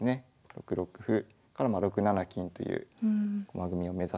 ６六歩から６七金という駒組みを目指します。